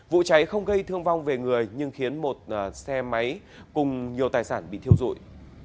vụ cháy không gây thương vong về người nhưng khiến một xe máy cùng nhiều tài sản bị thiêu dụi